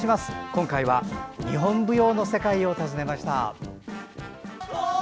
今回は日本舞踊の世界を訪ねました。